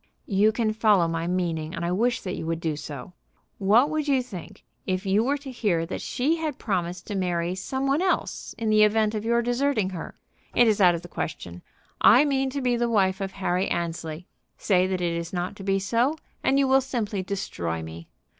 "You can follow my meaning, and I wish that you would do so. What would you think if you were to hear that she had promised to marry some one else in the event of your deserting her? It is out of the question. I mean to be the wife of Harry Annesley. Say that it is not to be so, and you will simply destroy me.